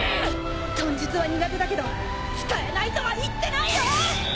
術は苦手だけど使えないとは言ってないよ！